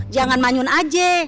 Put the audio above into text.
jangan manyun aja